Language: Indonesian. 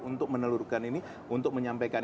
untuk menelurkan ini untuk menyampaikan